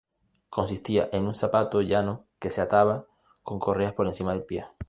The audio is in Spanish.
Consistía en un zapato llano que se ataba con correas por encima del pie.